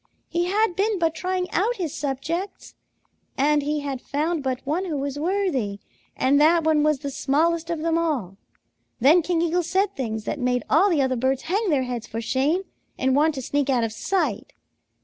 He had been but trying out his subjects, and he had found but one who was worthy, and that one was the smallest of them all. Then King Eagle said things that made all the other birds hang their heads for shame and want to sneak out of sight.